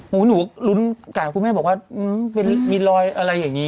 หนูก็ลุ้นไก่คุณแม่บอกว่ามีรอยอะไรอย่างนี้